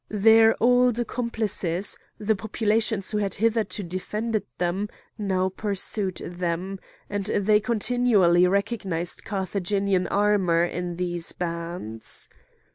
Their old accomplices, the populations who had hitherto defended them, now pursued them; and they continually recognised Carthaginian armour in these bands.